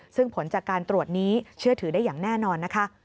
ซึ่งผลจากการตรวจนี้เชื่อถือได้อย่างแน่นอนนะคะ